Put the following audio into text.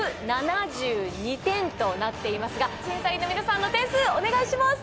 ２７２点となっていますが審査員の皆さんの点数お願いします。